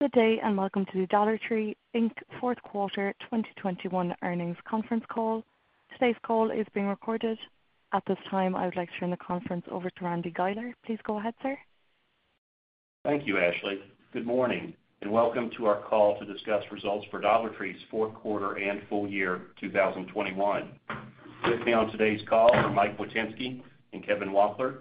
Good day, and welcome to the Dollar Tree, Inc.'s fourth quarter 2021 earnings conference call. Today's call is being recorded. At this time, I would like to turn the conference over to Randy Guiler. Please go ahead, sir. Thank you, Ashley. Good morning, and welcome to our call to discuss results for Dollar Tree's fourth quarter and full year 2021. With me on today's call are Mike Witynski and Kevin Wampler.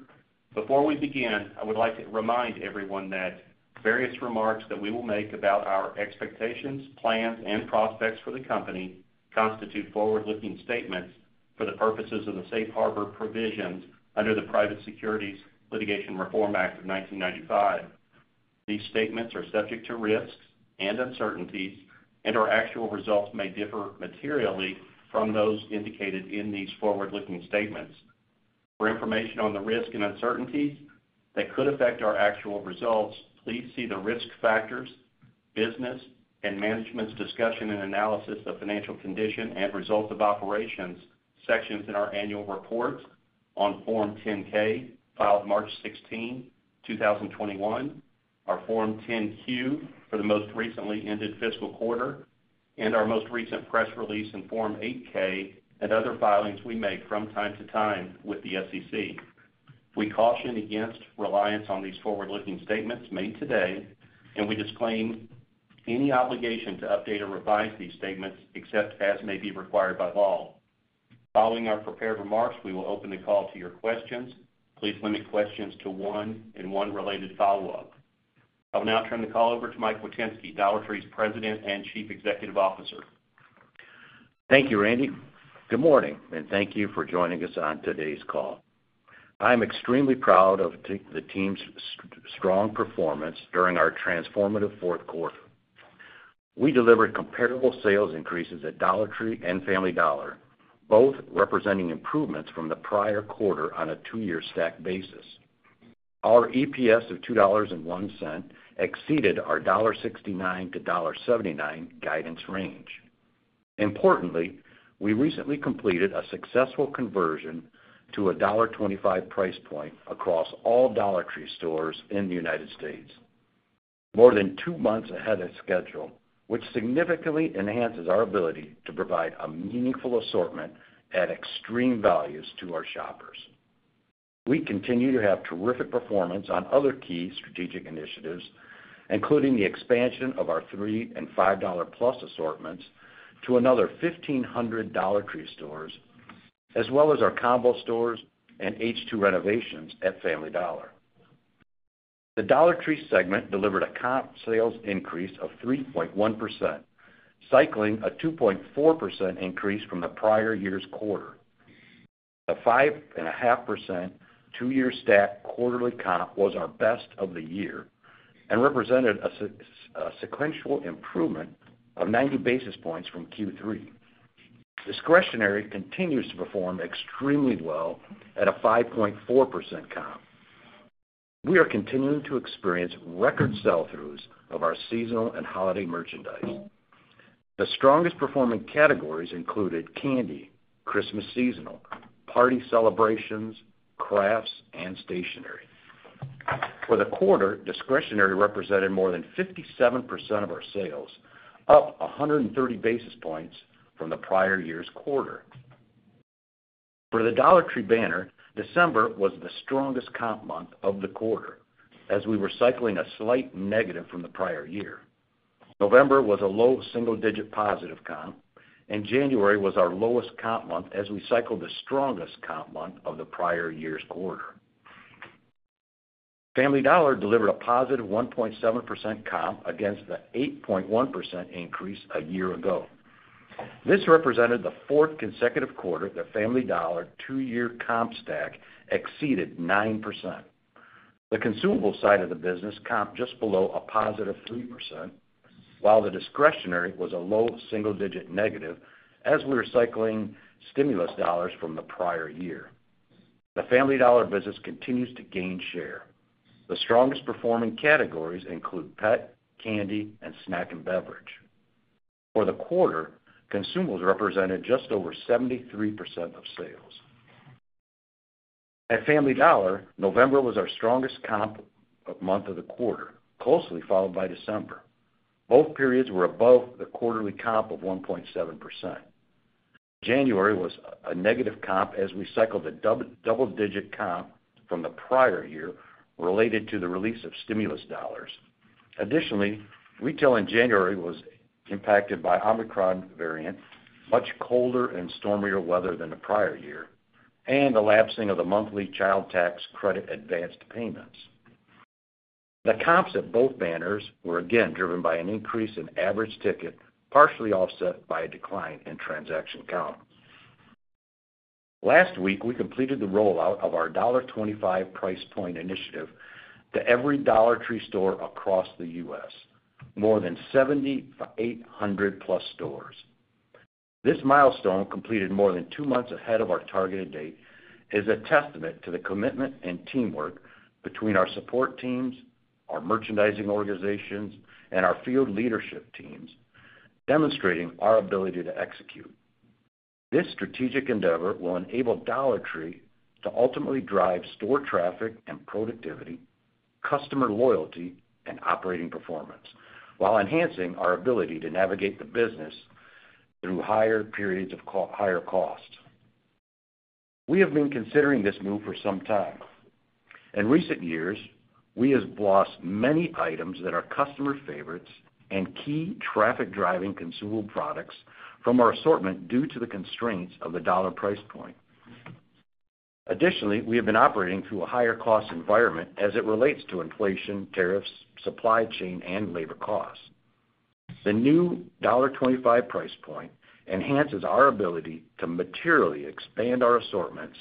Before we begin, I would like to remind everyone that various remarks that we will make about our expectations, plans, and prospects for the company constitute forward-looking statements for the purposes of the safe harbor provisions under the Private Securities Litigation Reform Act of 1995. These statements are subject to risks and uncertainties, and our actual results may differ materially from those indicated in these forward-looking statements. For information on the risk and uncertainties that could affect our actual results, please see the Risk Factors, Business, and Management's Discussion and Analysis of Financial Condition and Results of Operations sections in our annual reports on Form 10-K, filed March 16, 2021, our Form 10-Q for the most recently ended fiscal quarter, and our most recent press release in Form 8-K and other filings we make from time to time with the SEC. We caution against reliance on these forward-looking statements made today, and we disclaim any obligation to update or revise these statements except as may be required by law. Following our prepared remarks, we will open the call to your questions. Please limit questions to one and one related follow-up. I'll now turn the call over to Mike Witynski, Dollar Tree's President and Chief Executive Officer. Thank you, Randy. Good morning, and thank you for joining us on today's call. I'm extremely proud of the team's strong performance during our transformative fourth quarter. We delivered comparable sales increases at Dollar Tree and Family Dollar, both representing improvements from the prior quarter on a two-year stack basis. Our EPS of $2.01 exceeded our $1.69-$1.79 guidance range. Importantly, we recently completed a successful conversion to a $1.25 price point across all Dollar Tree stores in the United States more than two months ahead of schedule, which significantly enhances our ability to provide a meaningful assortment at extreme values to our shoppers. We continue to have terrific performance on other key strategic initiatives, including the expansion of our $3 and $5 plus assortments to another 1,500 Dollar Tree stores, as well as our combo stores and H2 renovations at Family Dollar. The Dollar Tree segment delivered a comp sales increase of 3.1%, cycling a 2.4% increase from the prior year's quarter. The 5.5% two-year stack quarterly comp was our best of the year and represented a sequential improvement of 90 basis points from Q3. Discretionary continues to perform extremely well at a 5.4% comp. We are continuing to experience record sell-throughs of our seasonal and holiday merchandise. The strongest performing categories included candy, Christmas seasonal, party celebrations, crafts, and stationery. For the quarter, discretionary represented more than 57% of our sales, up 130 basis points from the prior year's quarter. For the Dollar Tree banner, December was the strongest comp month of the quarter as we were cycling a slight negative from the prior year. November was a low single-digit positive comp, and January was our lowest comp month as we cycled the strongest comp month of the prior year's quarter. Family Dollar delivered a positive 1.7% comp against the 8.1% increase a year ago. This represented the fourth consecutive quarter the Family Dollar two-year comp stack exceeded 9%. The consumable side of the business comped just below a positive 3%, while the discretionary was a low single-digit negative as we were cycling stimulus dollars from the prior year. The Family Dollar business continues to gain share. The strongest performing categories include pet, candy, and snack and beverage. For the quarter, consumables represented just over 73% of sales. At Family Dollar, November was our strongest comp month of the quarter, closely followed by December. Both periods were above the quarterly comp of 1.7%. January was a negative comp as we cycled a double-digit comp from the prior year related to the release of stimulus dollars. Additionally, retail in January was impacted by Omicron variant, much colder and stormier weather than the prior year, and the lapsing of the monthly child tax credit advanced payments. The comps at both banners were again driven by an increase in average ticket, partially offset by a decline in transaction count. Last week, we completed the rollout of our $1.25 price point initiative to every Dollar Tree store across the U.S., more than 7,800 stores. This milestone, completed more than two months ahead of our targeted date, is a testament to the commitment and teamwork between our support teams, our merchandising organizations, and our field leadership teams, demonstrating our ability to execute. This strategic endeavor will enable Dollar Tree to ultimately drive store traffic and productivity, customer loyalty and operating performance, while enhancing our ability to navigate the business through higher periods of higher cost. We have been considering this move for some time. In recent years, we have lost many items that are customer favorites and key traffic-driving consumable products from our assortment due to the constraints of the dollar price point. Additionally, we have been operating through a higher cost environment as it relates to inflation, tariffs, supply chain, and labor costs. The new $1.25 price point enhances our ability to materially expand our assortments,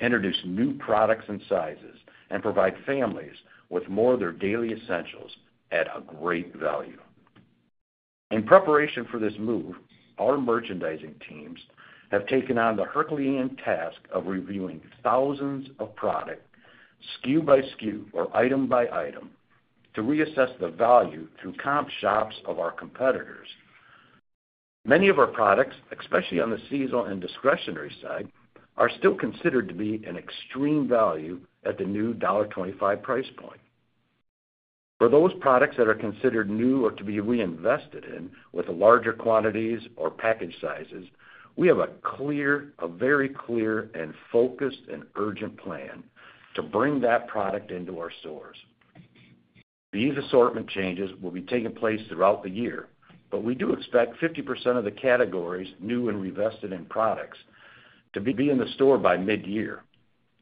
introduce new products and sizes, and provide families with more of their daily essentials at a great value. In preparation for this move, our merchandising teams have taken on the Herculean task of reviewing thousands of product, SKU by SKU or item by item, to reassess the value through comp shops of our competitors. Many of our products, especially on the seasonal and discretionary side, are still considered to be an extreme value at the new $1.25 price point. For those products that are considered new or to be reinvested in with larger quantities or package sizes, we have a very clear, focused, and urgent plan to bring that product into our stores. These assortment changes will be taking place throughout the year, but we do expect 50% of the categories, new and reinvested in products to be in the store by mid-year.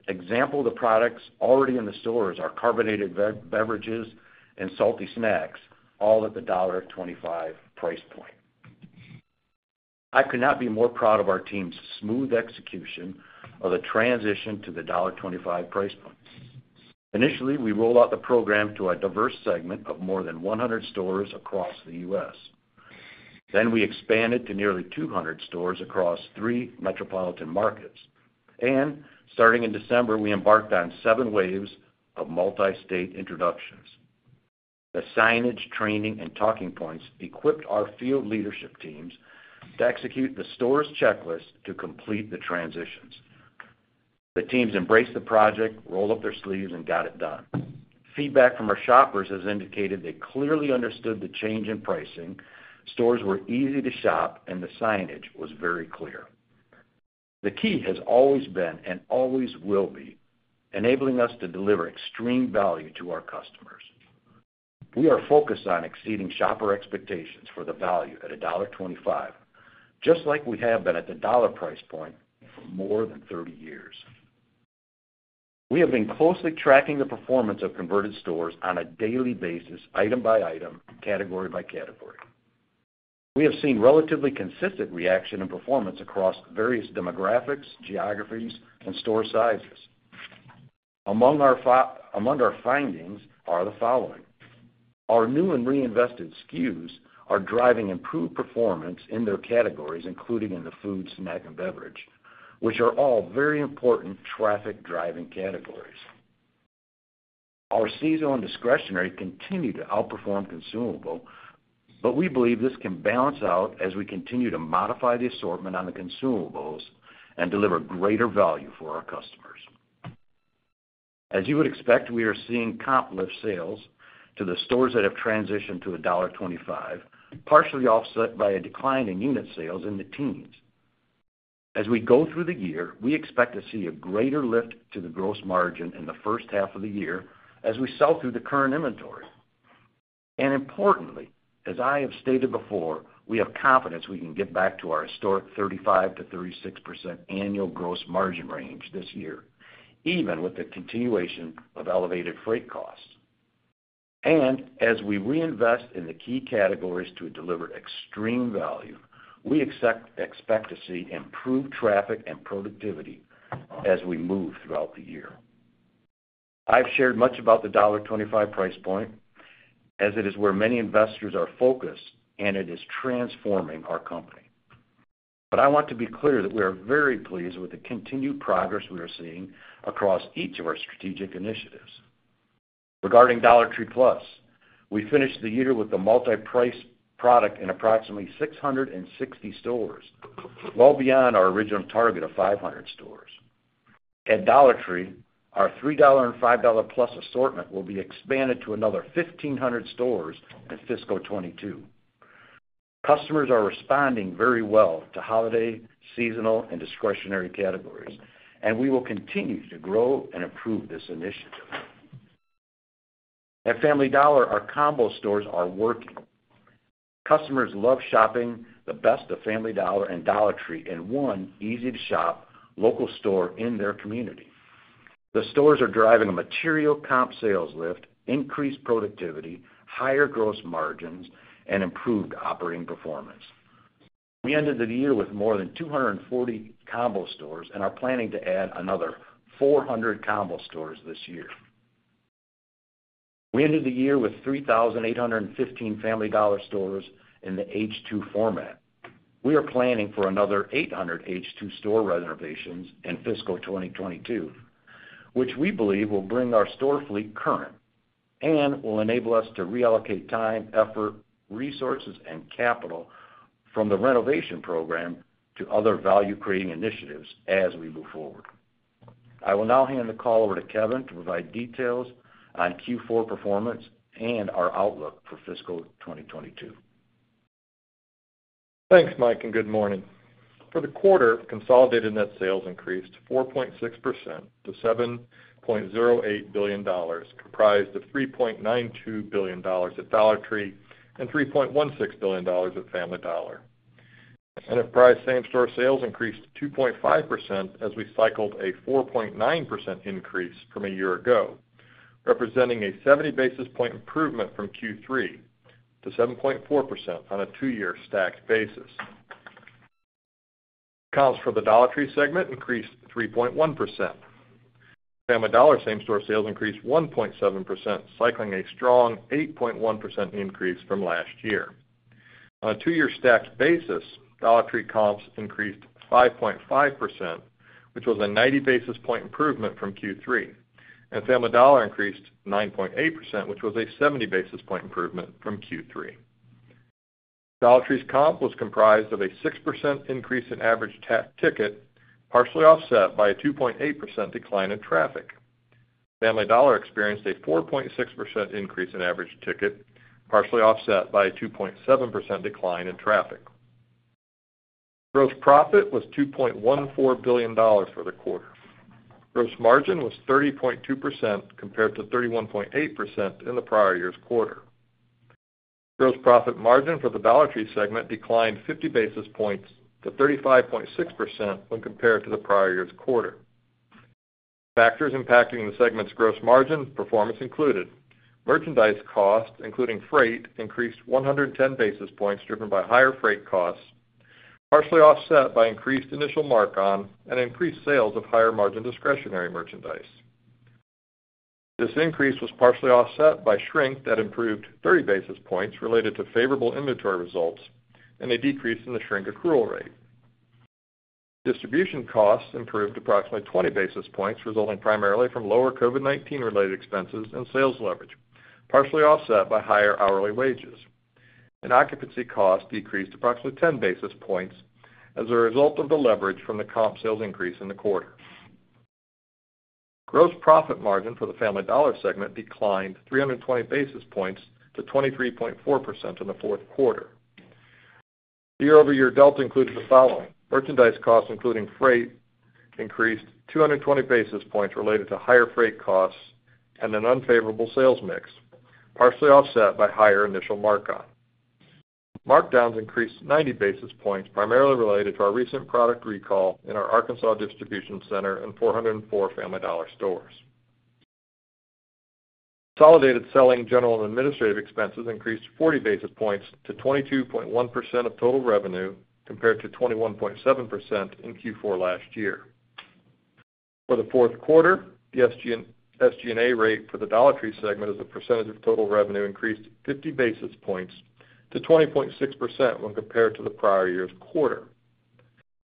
Examples of the products already in the stores are carbonated beverages and salty snacks, all at the $1.25 price point. I could not be more proud of our team's smooth execution of the transition to the $1.25 price point. Initially, we rolled out the program to a diverse segment of more than 100 stores across the U.S. Then we expanded to nearly 200 stores across three metropolitan markets. Starting in December, we embarked on seven waves of multi-state introductions. The signage, training, and talking points equipped our field leadership teams to execute the stores checklist to complete the transitions. The teams embraced the project, rolled up their sleeves, and got it done. Feedback from our shoppers has indicated they clearly understood the change in pricing, stores were easy to shop, and the signage was very clear. The key has always been, and always will be, enabling us to deliver extreme value to our customers. We are focused on exceeding shopper expectations for the value at a $1.25, just like we have been at the $1 price point for more than 30 years. We have been closely tracking the performance of converted stores on a daily basis, item by item, category by category. We have seen relatively consistent reaction and performance across various demographics, geographies, and store sizes. Among our findings are the following: Our new and reinvested SKUs are driving improved performance in their categories, including in the foods, snack, and beverage, which are all very important traffic-driving categories. Our seasonal and discretionary continue to outperform consumable, but we believe this can balance out as we continue to modify the assortment on the consumables and deliver greater value for our customers. As you would expect, we are seeing comp lift sales to the stores that have transitioned to $1.25, partially offset by a decline in unit sales in the teens%. As we go through the year, we expect to see a greater lift to the gross margin in the first half of the year as we sell through the current inventory. Importantly, as I have stated before, we have confidence we can get back to our historic 35%-36% annual gross margin range this year, even with the continuation of elevated freight costs. As we reinvest in the key categories to deliver extreme value, we expect to see improved traffic and productivity as we move throughout the year. I've shared much about the $25 price point as it is where many investors are focused and it is transforming our company. I want to be clear that we are very pleased with the continued progress we are seeing across each of our strategic initiatives. Regarding Dollar Tree Plus, we finished the year with the multi-price product in approximately 660 stores, well beyond our original target of 500 stores. At Dollar Tree, our $3 and $5 plus assortment will be expanded to another 1,500 stores in fiscal 2022. Customers are responding very well to holiday, seasonal, and discretionary categories, and we will continue to grow and improve this initiative. At Family Dollar, our combo stores are working. Customers love shopping the best of Family Dollar and Dollar Tree in one easy-to-shop local store in their community. The stores are driving a material comp sales lift, increased productivity, higher gross margins, and improved operating performance. We ended the year with more than 240 combo stores and are planning to add another 400 combo stores this year. We ended the year with 3,815 Family Dollar stores in the H2 format. We are planning for another 800 H2 store renovations in fiscal 2022, which we believe will bring our store fleet current and will enable us to reallocate time, effort, resources and capital from the renovation program to other value-creating initiatives as we move forward. I will now hand the call over to Kevin to provide details on Q4 performance and our outlook for fiscal 2022. Thanks, Mike, and good morning. For the quarter, consolidated net sales increased 4.6% to $7.08 billion, comprised of $3.92 billion at Dollar Tree and $3.16 billion at Family Dollar. Enterprise same-store sales increased 2.5% as we cycled a 4.9% increase from a year ago, representing a 70 basis point improvement from Q3 to 7.4% on a two-year stacked basis. Comps for the Dollar Tree segment increased 3.1%. Family Dollar same-store sales increased 1.7%, cycling a strong 8.1% increase from last year. On a two-year stacked basis, Dollar Tree comps increased 5.5%, which was a 90 basis point improvement from Q3, and Family Dollar increased 9.8%, which was a 70 basis point improvement from Q3. Dollar Tree's comp was comprised of a 6% increase in average ticket, partially offset by a 2.8% decline in traffic. Family Dollar experienced a 4.6% increase in average ticket, partially offset by a 2.7% decline in traffic. Gross profit was $2.14 billion for the quarter. Gross margin was 30.2% compared to 31.8% in the prior year's quarter. Gross profit margin for the Dollar Tree segment declined 50 basis points to 35.6% when compared to the prior year's quarter. Factors impacting the segment's gross margin performance included merchandise costs, including freight, increased 110 basis points driven by higher freight costs, partially offset by increased initial mark-on and increased sales of higher-margin discretionary merchandise. This increase was partially offset by shrink that improved 30 basis points related to favorable inventory results and a decrease in the shrink accrual rate. Distribution costs improved approximately 20 basis points, resulting primarily from lower COVID-19-related expenses and sales leverage, partially offset by higher hourly wages. Occupancy costs decreased approximately 10 basis points as a result of the leverage from the comp sales increase in the quarter. Gross profit margin for the Family Dollar segment declined 320 basis points to 23.4% in the fourth quarter. Year-over-year delta included the following. Merchandise costs, including freight, increased 220 basis points related to higher freight costs and an unfavorable sales mix, partially offset by higher initial mark-on. Markdowns increased 90 basis points, primarily related to our recent product recall in our Arkansas distribution center and 404 Family Dollar stores. Consolidated selling, general, and administrative expenses increased 40 basis points to 22.1% of total revenue, compared to 21.7% in Q4 last year. For the fourth quarter, the SG&A rate for the Dollar Tree segment as a percentage of total revenue increased 50 basis points to 20.6% when compared to the prior year's quarter.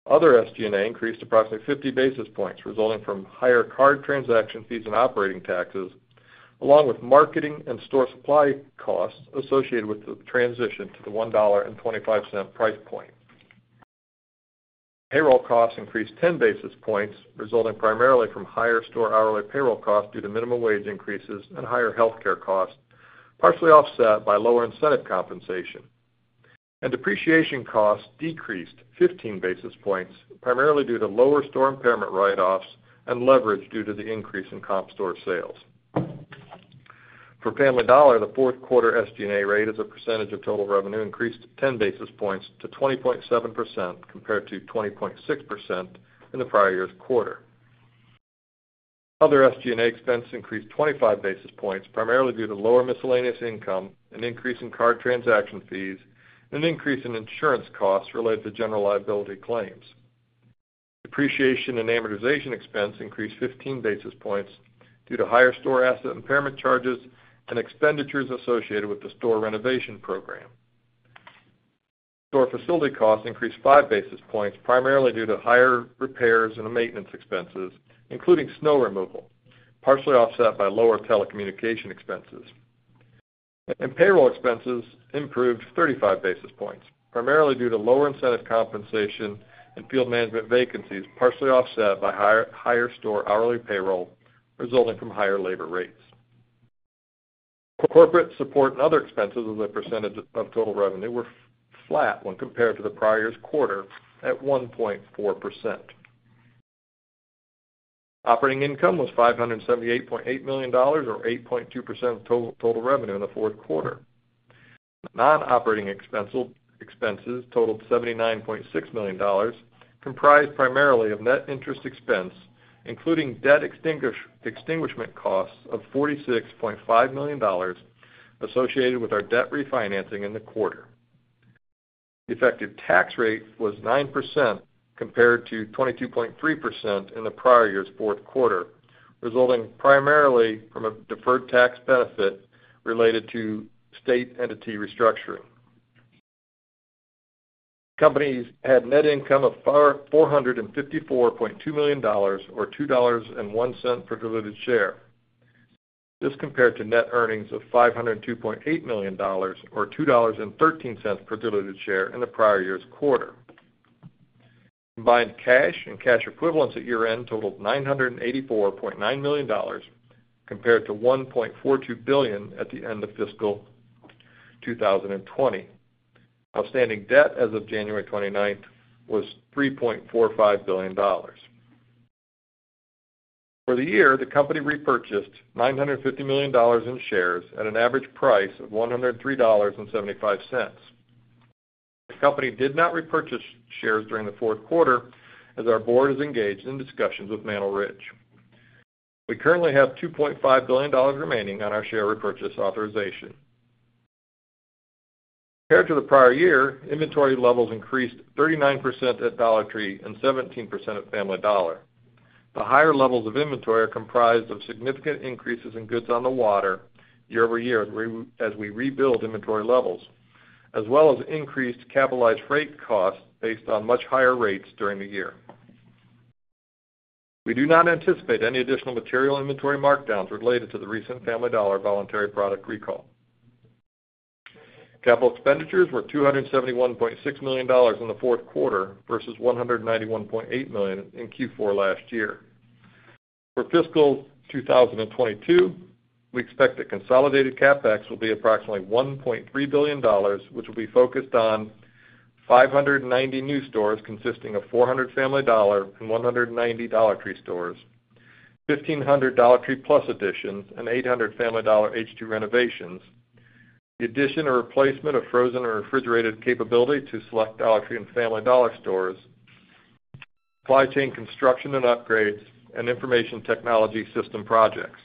Other SG&A increased approximately 50 basis points, resulting from higher card transaction fees and operating taxes, along with marketing and store supply costs associated with the transition to the $1.25 price point. Payroll costs increased 10 basis points, resulting primarily from higher store hourly payroll costs due to minimum wage increases and higher healthcare costs, partially offset by lower incentive compensation. Depreciation costs decreased 15 basis points, primarily due to lower store impairment write-offs and leverage due to the increase in comp store sales. For Family Dollar, the fourth quarter SG&A rate as a percentage of total revenue increased 10 basis points to 20.7%, compared to 20.6% in the prior year's quarter. Other SG&A expense increased 25 basis points, primarily due to lower miscellaneous income, an increase in card transaction fees, and an increase in insurance costs related to general liability claims. Depreciation and amortization expense increased 15 basis points due to higher store asset impairment charges and expenditures associated with the store renovation program. Store facility costs increased 5 basis points, primarily due to higher repairs and maintenance expenses, including snow removal, partially offset by lower telecommunication expenses. Payroll expenses improved 35 basis points, primarily due to lower incentive compensation and field management vacancies, partially offset by higher store hourly payroll resulting from higher labor rates. Corporate support and other expenses as a percentage of total revenue were flat when compared to the prior year's quarter at 1.4%. Operating income was $578.8 million, or 8.2% of total revenue in the fourth quarter. Non-operating expenses totaled $79.6 million, comprised primarily of net interest expense, including debt extinguishment costs of $46.5 million associated with our debt refinancing in the quarter. The effective tax rate was 9% compared to 22.3% in the prior year's fourth quarter, resulting primarily from a deferred tax benefit related to state entity restructuring. Company had net income of $454.2 million or $2.01 per diluted share. This compared to net earnings of $502.8 million or $2.13 per diluted share in the prior year's quarter. Combined cash and cash equivalents at year-end totaled $984.9 million compared to $1.42 billion at the end of fiscal 2020. Outstanding debt as of January 29th was $3.45 billion. For the year, the company repurchased $950 million in shares at an average price of $103.75. The company did not repurchase shares during the fourth quarter as our board is engaged in discussions with Mantle Ridge. We currently have $2.5 billion remaining on our share repurchase authorization. Compared to the prior year, inventory levels increased 39% at Dollar Tree and 17% at Family Dollar. The higher levels of inventory are comprised of significant increases in goods on the water year-over-year as we rebuild inventory levels, as well as increased capitalized rate costs based on much higher rates during the year. We do not anticipate any additional material inventory markdowns related to the recent Family Dollar voluntary product recall. Capital expenditures were $271.6 million in the fourth quarter versus $191.8 million in Q4 last year. For fiscal 2022, we expect the consolidated CapEx will be approximately $1.3 billion, which will be focused on 590 new stores consisting of 400 Family Dollar and 190 Dollar Tree stores, 1,500 Dollar Tree Plus additions, and 800 Family Dollar H2 renovations, the addition or replacement of frozen or refrigerated capability to select Dollar Tree and Family Dollar stores, supply chain construction and upgrades, and information technology system projects.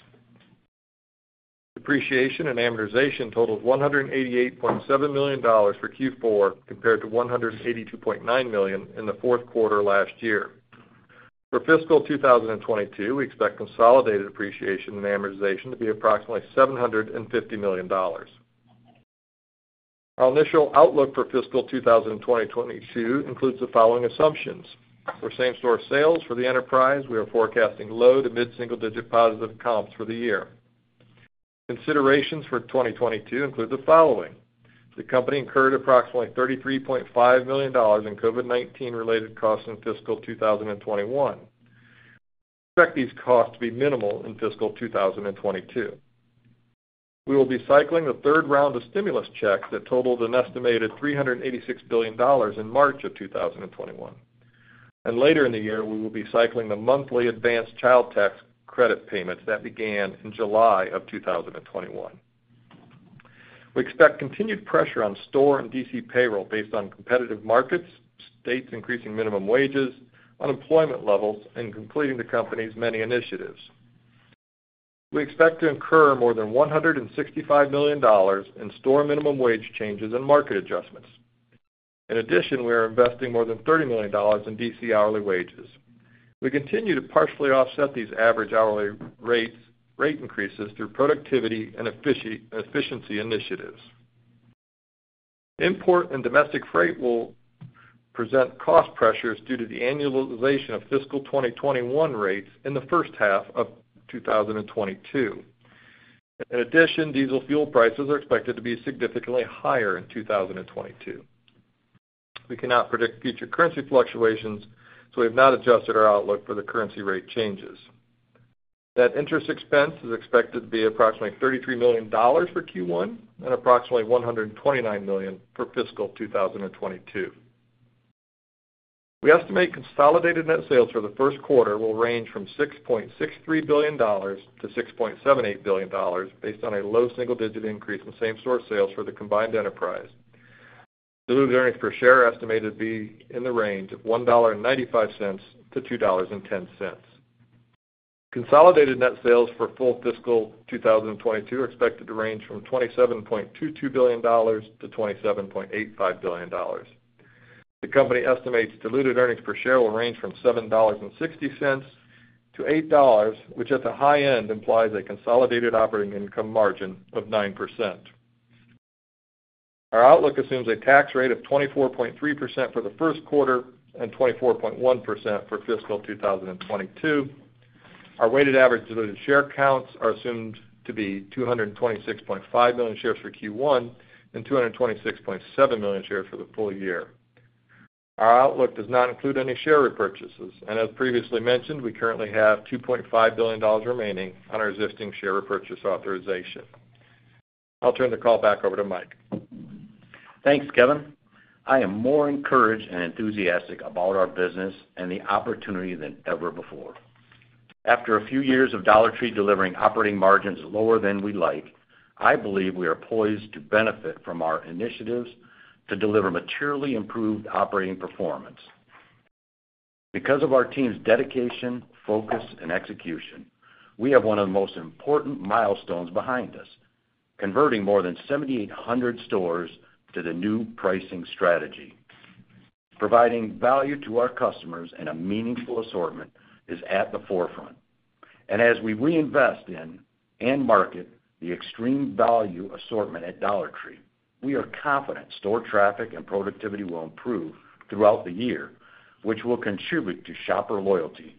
Depreciation and amortization totaled $188.7 million for Q4 compared to $182.9 million in the fourth quarter last year. For fiscal 2022, we expect consolidated depreciation and amortization to be approximately $750 million. Our initial outlook for fiscal 2022 includes the following assumptions. For same-store sales for the enterprise, we are forecasting low- to mid-single-digit positive comps for the year. Considerations for 2022 include the following. The company incurred approximately $33.5 million in COVID-19 related costs in fiscal 2021. We expect these costs to be minimal in fiscal 2022. We will be cycling the third round of stimulus checks that totaled an estimated $386 billion in March 2021. Later in the year, we will be cycling the monthly advanced child tax credit payments that began in July 2021. We expect continued pressure on store and DC payroll based on competitive markets, states increasing minimum wages, unemployment levels, and completing the company's many initiatives. We expect to incur more than $165 million in store minimum wage changes and market adjustments. In addition, we are investing more than $30 million in DC hourly wages. We continue to partially offset these average hourly rate increases through productivity and efficiency initiatives. Import and domestic freight will present cost pressures due to the annualization of fiscal 2021 rates in the first half of 2022. In addition, diesel fuel prices are expected to be significantly higher in 2022. We cannot predict future currency fluctuations, so we have not adjusted our outlook for the currency rate changes. Net interest expense is expected to be approximately $33 million for Q1 and approximately $129 million for fiscal 2022. We estimate consolidated net sales for the first quarter will range from $6.63 billion-$6.78 billion based on a low single-digit increase in same-store sales for the combined enterprise. Diluted earnings per share estimated to be in the range of $1.95-$2.10. Consolidated net sales for full fiscal 2022 are expected to range from $27.22 billion-$27.85 billion. The company estimates diluted earnings per share will range from $7.60-$8, which at the high end implies a consolidated operating income margin of 9%. Our outlook assumes a tax rate of 24.3% for the first quarter and 24.1% for fiscal 2022. Our weighted average diluted share counts are assumed to be 226.5 million shares for Q1 and 226.7 million shares for the full year. Our outlook does not include any share repurchases. As previously mentioned, we currently have $2.5 billion remaining on our existing share repurchase authorization. I'll turn the call back over to Mike. Thanks, Kevin. I am more encouraged and enthusiastic about our business and the opportunity than ever before. After a few years of Dollar Tree delivering operating margins lower than we like, I believe we are poised to benefit from our initiatives to deliver materially improved operating performance. Because of our team's dedication, focus, and execution, we have one of the most important milestones behind us, converting more than 7,800 stores to the new pricing strategy. Providing value to our customers and a meaningful assortment is at the forefront. As we reinvest in end market, the extreme value assortment at Dollar Tree, we are confident store traffic and productivity will improve throughout the year, which will contribute to shopper loyalty.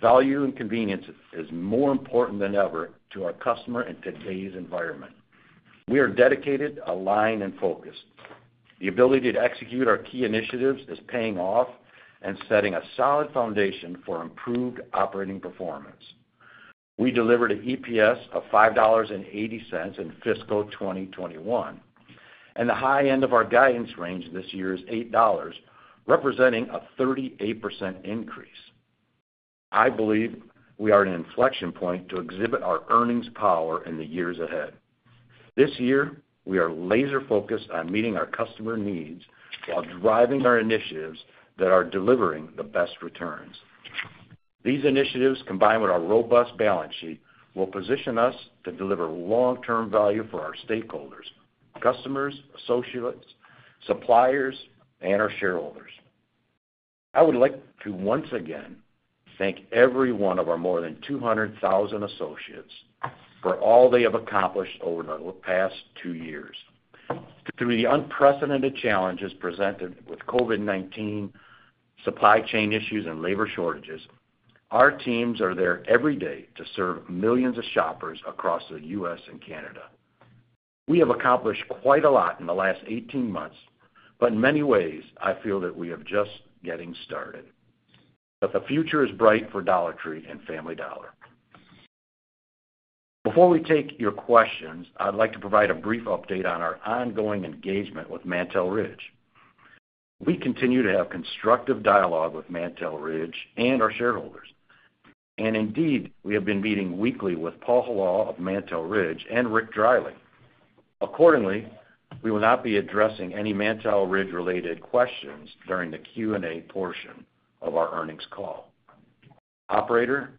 Value and convenience is more important than ever to our customer in today's environment. We are dedicated, aligned, and focused. The ability to execute our key initiatives is paying off and setting a solid foundation for improved operating performance. We delivered an EPS of $5.80 in fiscal 2021, and the high end of our guidance range this year is $8, representing a 38% increase. I believe we are at an inflection point to exhibit our earnings power in the years ahead. This year, we are laser focused on meeting our customer needs while driving our initiatives that are delivering the best returns. These initiatives, combined with our robust balance sheet, will position us to deliver long-term value for our stakeholders, customers, associates, suppliers, and our shareholders. I would like to once again thank every one of our more than 200,000 associates for all they have accomplished over the past two years. Through the unprecedented challenges presented with COVID-19, supply chain issues and labor shortages, our teams are there every day to serve millions of shoppers across the U.S. and Canada. We have accomplished quite a lot in the last 18 months, but in many ways I feel that we are just getting started. The future is bright for Dollar Tree and Family Dollar. Before we take your questions, I'd like to provide a brief update on our ongoing engagement with Mantle Ridge. We continue to have constructive dialogue with Mantle Ridge and our shareholders, and indeed, we have been meeting weekly with Paul Hilal of Mantle Ridge and Rick Dreiling. Accordingly, we will not be addressing any Mantle Ridge related questions during the Q&A portion of our earnings call. Operator,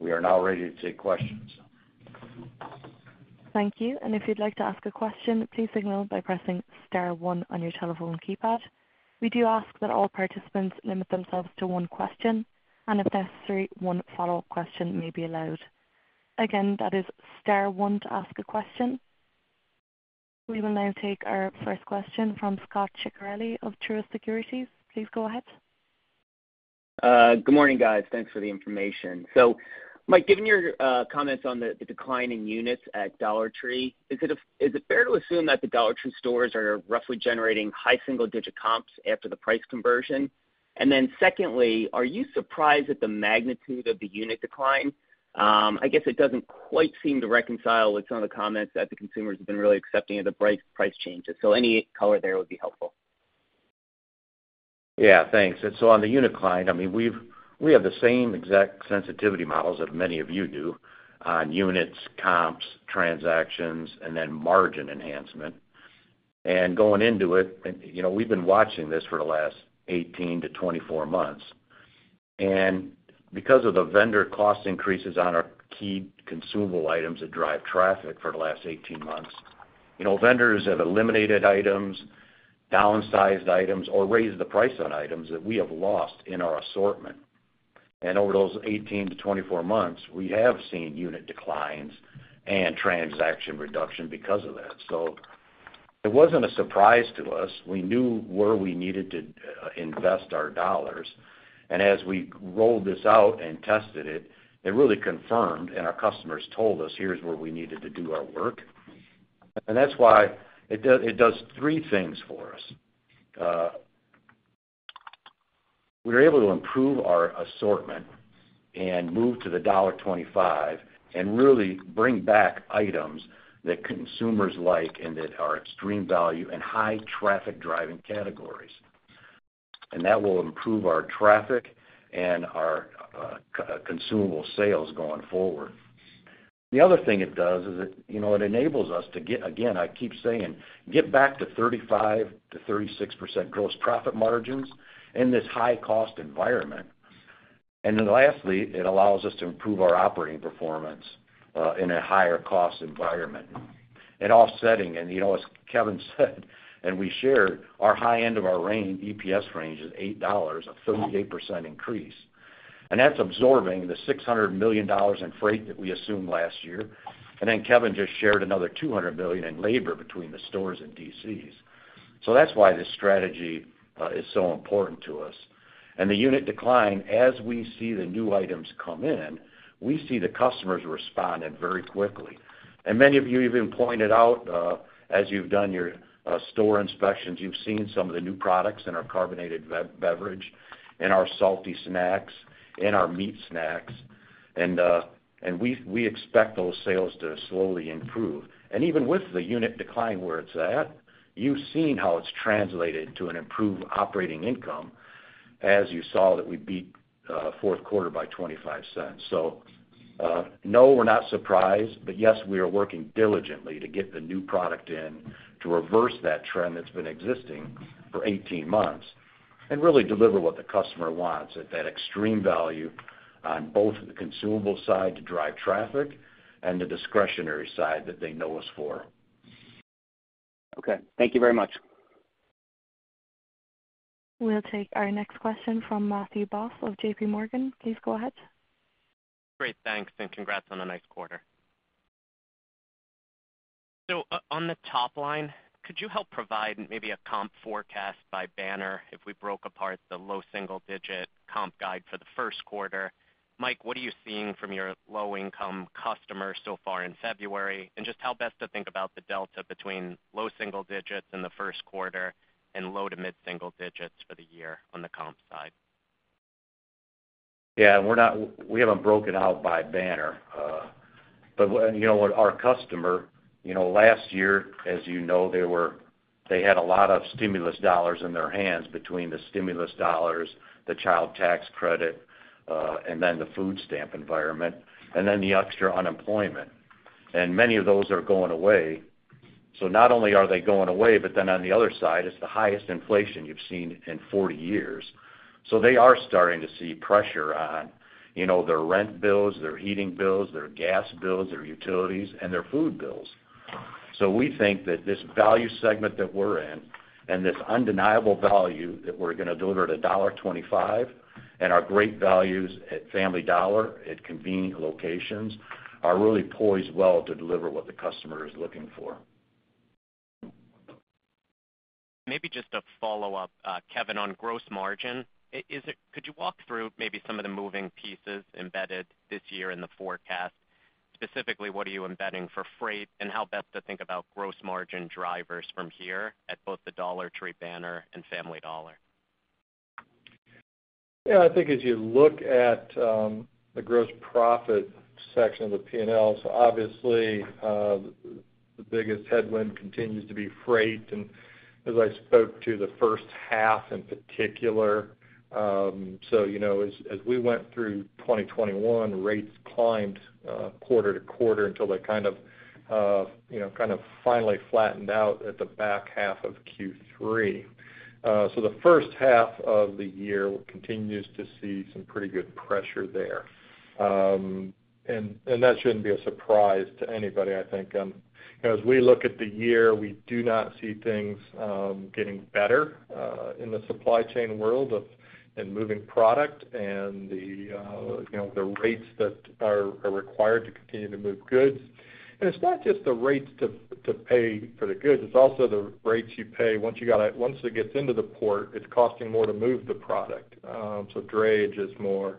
we are now ready to take questions. Thank you. If you'd like to ask a question, please signal by pressing star one on your telephone keypad. We do ask that all participants limit themselves to one question, and if necessary, one follow-up question may be allowed. Again, that is star one to ask a question. We will now take our first question from Scot Ciccarelli of Truist Securities. Please go ahead. Good morning, guys. Thanks for the information. Mike, given your comments on the decline in units at Dollar Tree, is it fair to assume that the Dollar Tree stores are roughly generating high single digit comps after the price conversion? Secondly, are you surprised at the magnitude of the unit decline? I guess it doesn't quite seem to reconcile with some of the comments that the consumers have been really accepting of the price changes. Any color there would be helpful. Yeah, thanks. On the unit decline, I mean, we have the same exact sensitivity models that many of you do on units, comps, transactions, and then margin enhancement. Going into it, you know, we've been watching this for the last 18-24 months, and because of the vendor cost increases on our key consumable items that drive traffic for the last 18 months, you know, vendors have eliminated items, downsized items or raised the price on items that we have lost in our assortment. Over those 18-24 months, we have seen unit declines and transaction reduction because of that. It wasn't a surprise to us. We knew where we needed to invest our dollars. As we rolled this out and tested it really confirmed, and our customers told us, here's where we needed to do our work. That's why it does three things for us. We were able to improve our assortment and move to the $1.25 and really bring back items that consumers like and that are extreme value and high traffic driving categories. That will improve our traffic and our consumable sales going forward. The other thing it does is it, you know, it enables us to get, again, I keep saying, get back to 35%-36% gross profit margins in this high cost environment. Then lastly, it allows us to improve our operating performance in a higher cost environment and offsetting. You know, as Kevin said, and we shared, our high end of our range, EPS range is $8, a 38% increase. That's absorbing the $600 million in freight that we assumed last year. Then Kevin just shared another $200 million in labor between the stores and DCs. That's why this strategy is so important to us. The unit decline, as we see the new items come in, we see the customers responding very quickly. Many of you even pointed out, as you've done your store inspections, you've seen some of the new products in our carbonated beverage, in our salty snacks, in our meat snacks, and we expect those sales to slowly improve. Even with the unit decline where it's at, you've seen how it's translated to an improved operating income as you saw that we beat fourth quarter by $0.25. No, we're not surprised. Yes, we are working diligently to get the new product in to reverse that trend that's been existing for 18 months and really deliver what the customer wants at that extreme value on both the consumable side to drive traffic and the discretionary side that they know us for. Okay. Thank you very much. We'll take our next question from Matthew Boss of JPMorgan. Please go ahead. Great. Thanks, and congrats on a nice quarter. On the top line, could you help provide maybe a comp forecast by banner if we broke apart the low single digit comp guide for the first quarter? Mike, what are you seeing from your low-income customers so far in February? Just how best to think about the delta between low single digits in the first quarter and low to mid-single digits for the year on the comp side. We haven't broken out by banner. You know what? Our customer, you know, last year, as you know, they had a lot of stimulus dollars in their hands between the stimulus dollars, the child tax credit, and then the food stamp environment, and then the extra unemployment. Many of those are going away. Not only are they going away, but then on the other side, it's the highest inflation you've seen in 40 years. They are starting to see pressure on, you know, their rent bills, their heating bills, their gas bills, their utilities, and their food bills. We think that this value segment that we're in and this undeniable value that we're gonna deliver at $1.25, and our great values at Family Dollar at convenient locations are really poised well to deliver what the customer is looking for. Maybe just a follow-up, Kevin, on gross margin. Could you walk through maybe some of the moving pieces embedded this year in the forecast? Specifically, what are you embedding for freight and how best to think about gross margin drivers from here at both the Dollar Tree banner and Family Dollar. Yeah, I think as you look at the gross profit section of the P&L, so obviously the biggest headwind continues to be freight. As I spoke to the first half in particular, so you know as we went through 2021, rates climbed quarter to quarter until they kind of you know kind of finally flattened out at the back half of Q3. The first half of the year continues to see some pretty good pressure there. That shouldn't be a surprise to anybody, I think. As we look at the year, we do not see things getting better in the supply chain world of and moving product and the you know the rates that are required to continue to move goods. It's not just the rates to pay for the goods, it's also the rates you pay once it gets into the port, it's costing more to move the product. Drayage is more,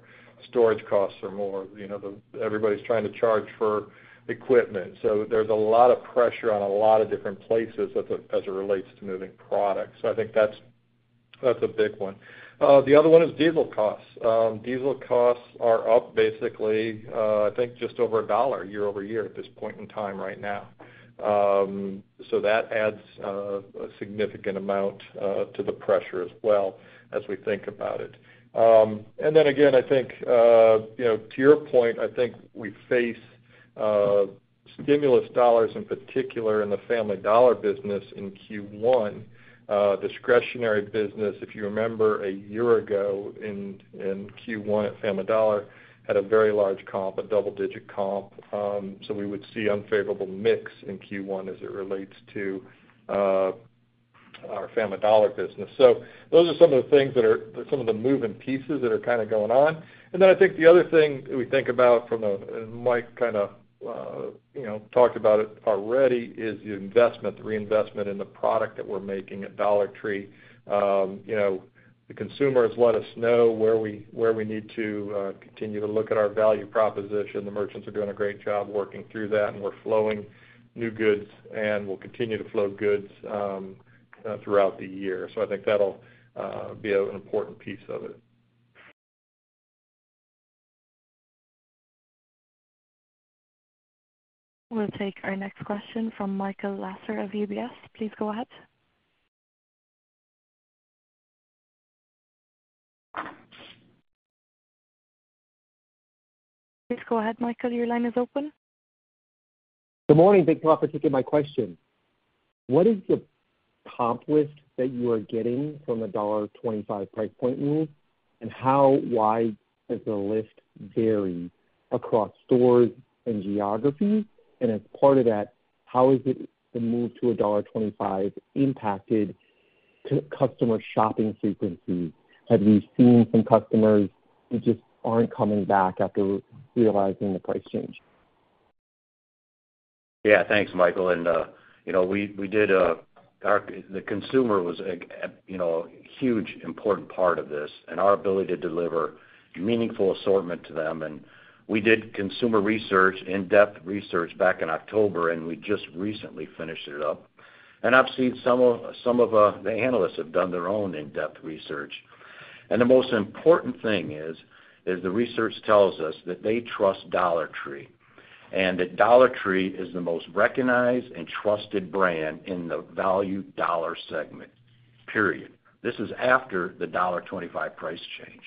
storage costs are more, you know, everybody's trying to charge for equipment. There's a lot of pressure on a lot of different places as it relates to moving products. I think that's a big one. The other one is diesel costs. Diesel costs are up basically, I think just over $1 year-over-year at this point in time right now. That adds a significant amount to the pressure as well as we think about it. I think, you know, to your point, I think we face stimulus dollars, in particular in the Family Dollar business in Q1, the discretionary business, if you remember a year ago in Q1 at Family Dollar, had a very large comp, a double-digit comp. We would see unfavorable mix in Q1 as it relates to our Family Dollar business. Those are some of the things that are some of the moving pieces that are kind of going on. I think the other thing we think about from a, and Mike kind of, you know, talked about it already, is the investment, the reinvestment in the product that we're making at Dollar Tree. You know, the consumers let us know where we need to continue to look at our value proposition. The merchants are doing a great job working through that, and we're flowing new goods, and we'll continue to flow goods throughout the year. I think that'll be an important piece of it. We'll take our next question from Michael Lasser of UBS. Please go ahead. Please go ahead, Michael. Your line is open. Good morning. Thanks a lot for taking my question. What is the comp list that you are getting from the $1.25 price point move, and how wide does the list vary across stores and geographies? As part of that, how has the move to $1.25 impacted customer shopping frequency? Have you seen some customers who just aren't coming back after realizing the price change? Yeah. Thanks, Michael. You know, the consumer was a hugely important part of this, and our ability to deliver meaningful assortment to them. We did consumer research, in-depth research back in October, and we just recently finished it up. I've seen some of the analysts have done their own in-depth research. The most important thing is the research tells us that they trust Dollar Tree, and that Dollar Tree is the most recognized and trusted brand in the value dollar segment, period. This is after the $1.25 price change.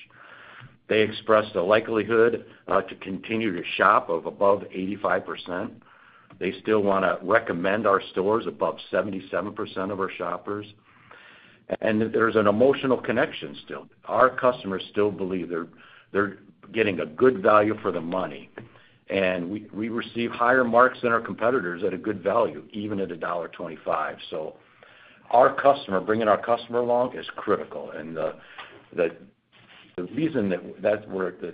They expressed a likelihood to continue to shop of above 85%. They still wanna recommend our stores above 77% of our shoppers. There's an emotional connection still. Our customers still believe they're getting a good value for the money. We receive higher marks than our competitors at a good value, even at $1.25. Bringing our customer along is critical. The reason that's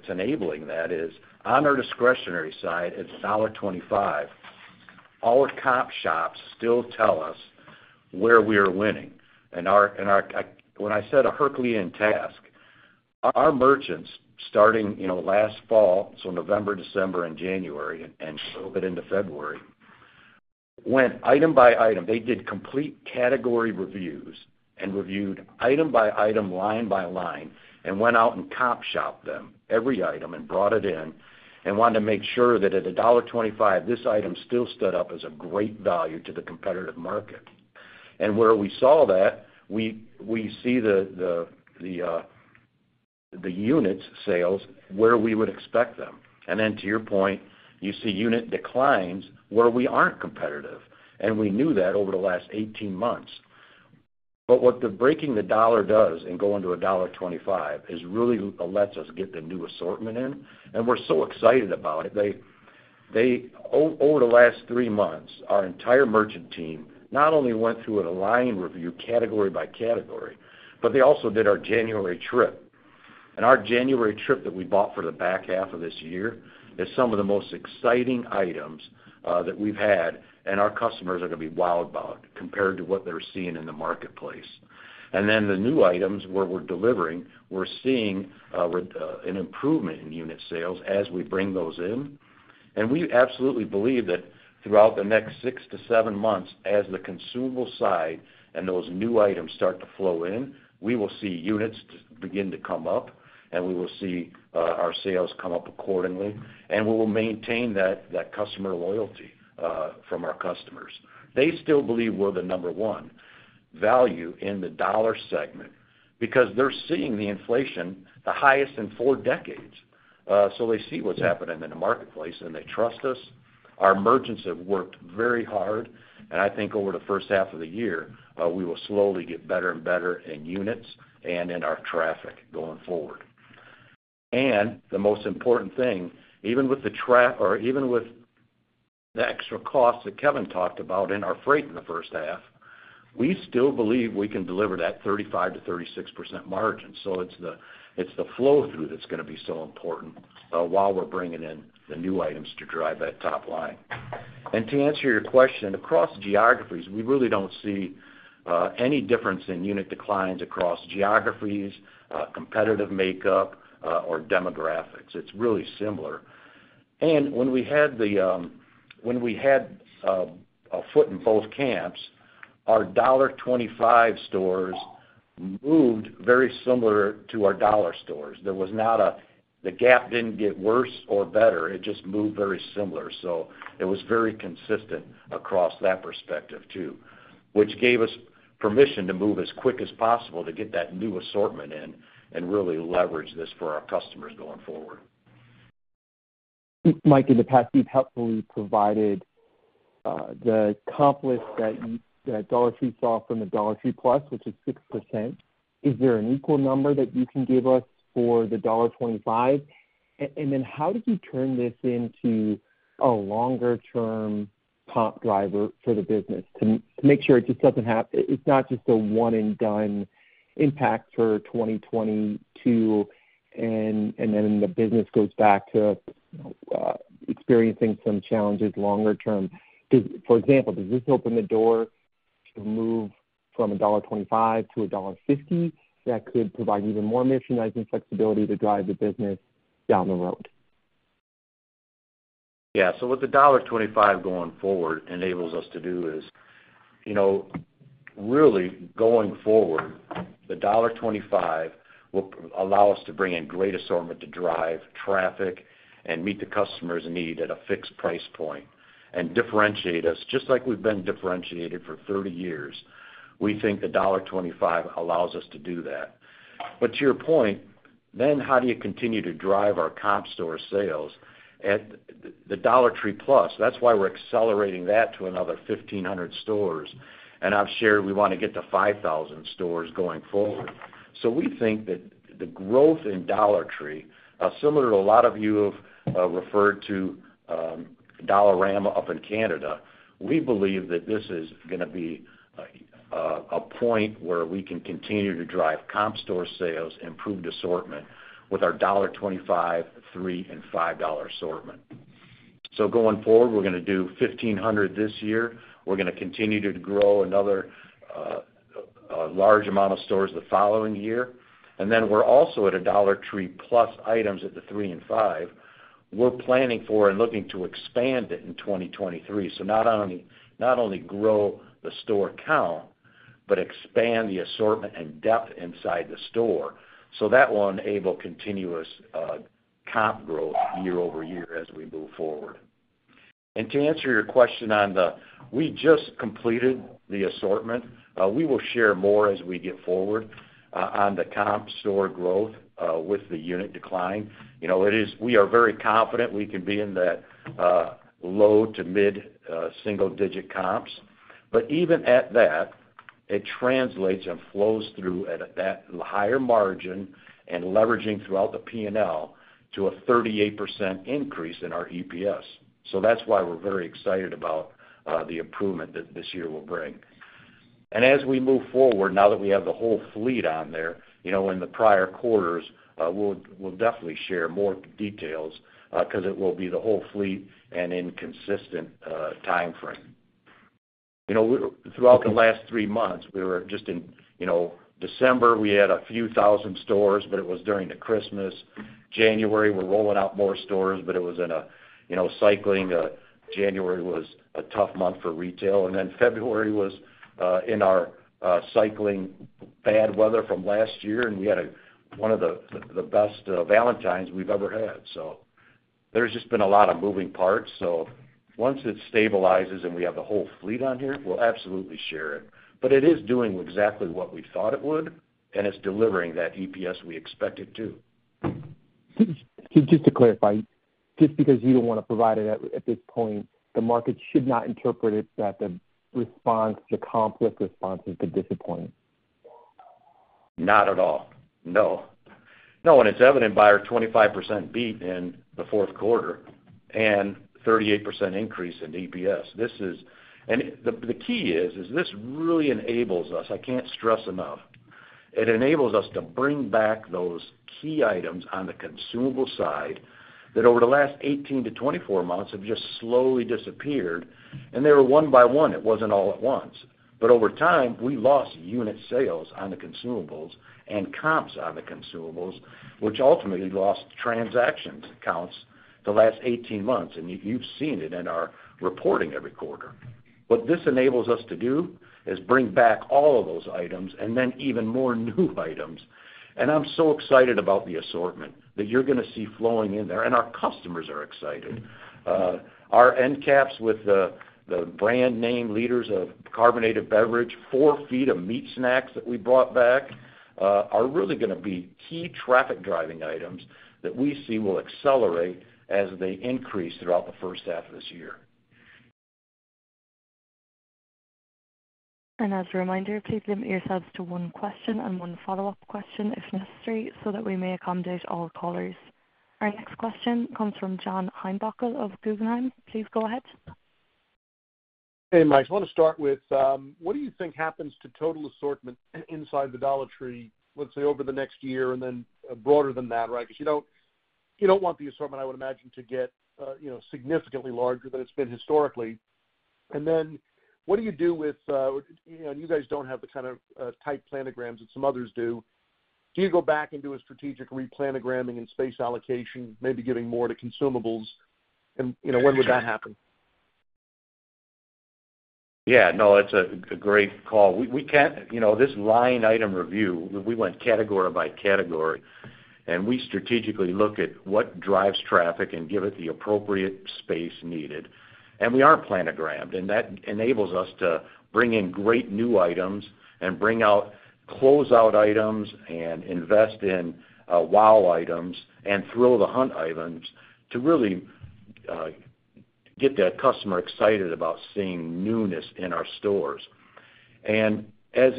enabling that is on our discretionary side, it's $1.25. All comp shops still tell us where we are winning. When I said a Herculean task, our merchants, starting, you know, last fall, so November, December, and January, and a little bit into February, went item by item. They did complete category reviews and reviewed item by item, line by line, and went out and comp shopped them, every item, and brought it in and wanted to make sure that at a $1.25, this item still stood up as a great value to the competitive market. Where we saw that, we see the unit sales where we would expect them. Then to your point, you see unit declines where we aren't competitive, and we knew that over the last 18 months. What the breaking the dollar does in going to a $1.25 is really lets us get the new assortment in, and we're so excited about it. Over the last 3 months, our entire merchant team not only went through a line review category by category, but they also did our January trip. Our January trip that we bought for the back half of this year is some of the most exciting items that we've had, and our customers are gonna be wowed by compared to what they're seeing in the marketplace. Then the new items where we're delivering, we're seeing an improvement in unit sales as we bring those in. We absolutely believe that throughout the next six to seven months, as the consumable side and those new items start to flow in, we will see units begin to come up, and we will see our sales come up accordingly, and we will maintain that customer loyalty from our customers. They still believe we're the number one value in the dollar segment because they're seeing the inflation, the highest in four decades. They see what's happening in the marketplace, and they trust us. Our merchants have worked very hard. I think over the first half of the year, we will slowly get better and better in units and in our traffic going forward. The most important thing, even with the extra costs that Kevin talked about in our freight in the first half, we still believe we can deliver that 35%-36% margin. It's the, it's the flow-through that's gonna be so important, while we're bringing in the new items to drive that top line. To answer your question, across geographies, we really don't see any difference in unit declines across geographies, competitive makeup, or demographics. It's really similar. When we had a foot in both camps, our dollar 25 stores moved very similar to our dollar stores. The gap didn't get worse or better. It just moved very similar. It was very consistent across that perspective too, which gave us permission to move as quick as possible to get that new assortment in and really leverage this for our customers going forward. Mike, in the past, you've helpfully provided the comps lift that Dollar Tree saw from the Dollar Tree Plus, which is 6%. Is there an equal number that you can give us for the $1.25? How did you turn this into a longer-term comp driver for the business to make sure it just doesn't. It's not just a one-and-done impact for 2022, and then the business goes back to experiencing some challenges longer term? For example, does this open the door to move from a $1.25 to a $1.50 that could provide even more merchandising flexibility to drive the business down the road? Yeah. What the $1.25 going forward enables us to do is, you know, really going forward, the $1.25 will allow us to bring in great assortment to drive traffic and meet the customer's need at a fixed price point and differentiate us, just like we've been differentiated for 30 years. We think the $1.25 allows us to do that. To your point, then how do you continue to drive our comp store sales at the Dollar Tree Plus? That's why we're accelerating that to another 1,500 stores. I've shared we wanna get to 5,000 stores going forward. We think that the growth in Dollar Tree, similar to a lot of you have referred to, Dollarama up in Canada, we believe that this is gonna be a point where we can continue to drive comp store sales, improved assortment with our $1.25, $3, and $5 dollar assortment. Going forward, we're gonna do 1,500 this year. We're gonna continue to grow another, a large amount of stores the following year. Then we're also at a Dollar Tree Plus items at the $3 and $5. We're planning for and looking to expand it in 2023. Not only grow the store count, but expand the assortment and depth inside the store. That will enable continuous comp growth year over year as we move forward. To answer your question, we just completed the assortment. We will share more as we go forward on the comp store growth with the unit decline. You know, we are very confident we can be in that low- to mid-single-digit comps. Even at that, it translates and flows through at that higher margin and leveraging throughout the P&L to a 38% increase in our EPS. That's why we're very excited about the improvement that this year will bring. As we move forward, now that we have the whole fleet on there, you know, in the prior quarters, we'll definitely share more details because it will be the whole fleet and in a consistent timeframe. You know, throughout the last three months, we were just in, you know, December. We had a few thousand stores, but it was during the Christmas. January, we're rolling out more stores, but it was in a, you know, cycling. January was a tough month for retail. February was in our cycling bad weather from last year, and we had one of the best Valentine's we've ever had. There's just been a lot of moving parts. Once it stabilizes and we have the whole fleet on here, we'll absolutely share it. It is doing exactly what we thought it would, and it's delivering that EPS we expect it to. Just to clarify, just because you don't want to provide it at this point, the market should not interpret it that the response, the comp lift response has been disappointing. Not at all. No. No, and it's evident by our 25% beat in the fourth quarter and 38% increase in EPS. The key is, this really enables us. I can't stress enough, it enables us to bring back those key items on the consumable side that over the last 18-24 months have just slowly disappeared. They were one by one, it wasn't all at once. Over time, we lost unit sales on the consumables and comps on the consumables, which ultimately lost transaction counts the last 18 months. You, you've seen it in our reporting every quarter. What this enables us to do is bring back all of those items and then even more new items. I'm so excited about the assortment that you're going to see flowing in there, and our customers are excited. Our end caps with the brand name leaders of carbonated beverage, four feet of meat snacks that we brought back, are really going to be key traffic driving items that we see will accelerate as they increase throughout the first half of this year. As a reminder, please limit yourselves to one question and one follow-up question if necessary, so that we may accommodate all callers. Our next question comes from John Heinbockel of Guggenheim. Please go ahead. Hey, Mike, I want to start with what do you think happens to total assortment inside the Dollar Tree, let's say, over the next year and then broader than that, right? Because you don't want the assortment, I would imagine, to get, you know, significantly larger than it's been historically. What do you do with, you know, you guys don't have the kind of tight planograms that some others do. Do you go back and do a strategic replanogramming and space allocation, maybe giving more to consumables? You know, when would that happen? Yeah, no, it's a great call. We can, you know, this line item review, we went category by category, and we strategically look at what drives traffic and give it the appropriate space needed. We aren't planogrammed, and that enables us to bring in great new items and bring out closeout items and invest in wow items and thrill of the hunt items to really get that customer excited about seeing newness in our stores. As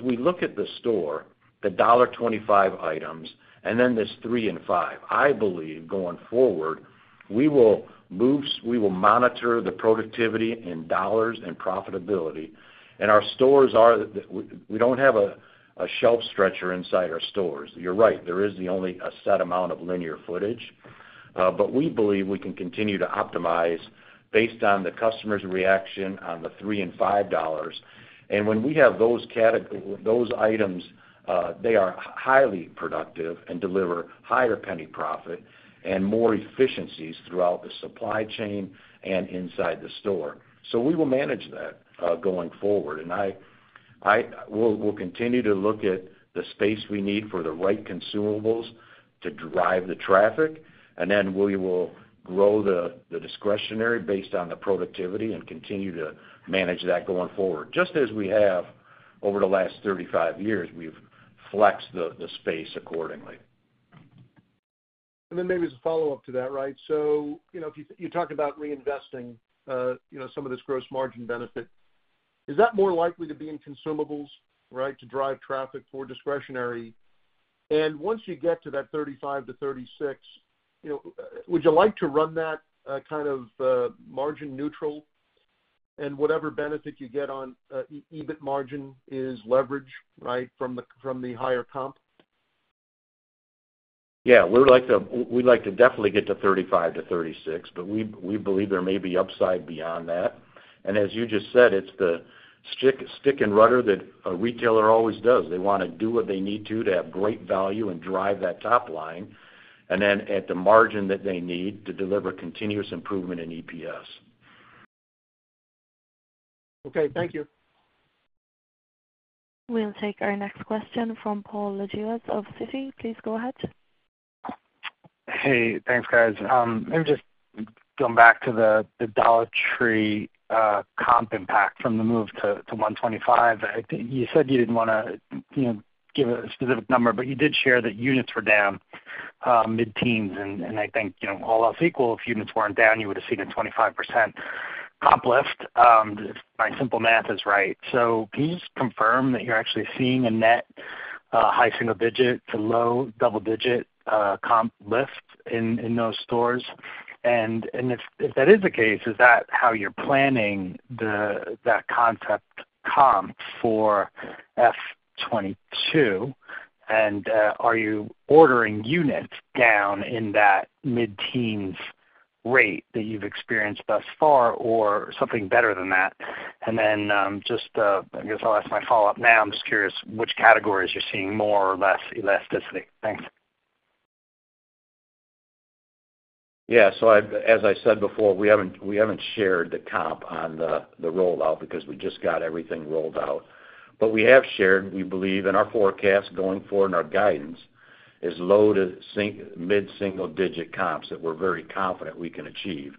we look at the store, the $1.25 items and then this $3 and $5, I believe going forward, we will monitor the productivity in dollars and profitability. Our stores don't have a shelf stretcher inside our stores. You're right, there is only a set amount of linear footage. We believe we can continue to optimize based on the customer's reaction on the $3 and $5. When we have those items, they are highly productive and deliver higher penny profit and more efficiencies throughout the supply chain and inside the store. We will manage that going forward. We'll continue to look at the space we need for the right consumables to drive the traffic, and then we will grow the discretionary based on the productivity and continue to manage that going forward. Just as we have over the last 35 years, we've flexed the space accordingly. Maybe as a follow-up to that, right? You know, if you talk about reinvesting some of this gross margin benefit, is that more likely to be in consumables, right, to drive traffic for discretionary? Once you get to that 35%-36%, you know, would you like to run that kind of margin neutral and whatever benefit you get on EBIT margin is leverage, right, from the higher comp? Yeah, we'd like to definitely get to 35%-36%, but we believe there may be upside beyond that. As you just said, it's the stick and rudder that a retailer always does. They want to do what they need to have great value and drive that top line and then at the margin that they need to deliver continuous improvement in EPS. Okay, thank you. We'll take our next question from Paul Lejuez of Citi. Please go ahead. Hey, thanks, guys. Maybe just going back to the Dollar Tree comp impact from the move to $1.25. I think you said you didn't want to, you know, give a specific number, but you did share that units were down mid-teens, and I think, you know, all else equal, if units weren't down, you would've seen a 25% comp lift, if my simple math is right. Can you just confirm that you're actually seeing a net high single digit to low double digit comp lift in those stores? And if that is the case, is that how you're planning that concept comp for FY 2022? And are you ordering units down in that mid-teens rate that you've experienced thus far or something better than that? I guess I'll ask my follow-up now. I'm just curious which categories you're seeing more or less elasticity. Thanks. Yeah. I've as I said before, we haven't shared the comp on the rollout because we just got everything rolled out. We have shared, we believe in our forecast going forward and our guidance is low to mid-single digit comps that we're very confident we can achieve.